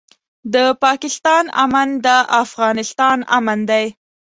د پاکستان امن د افغانستان امن دی.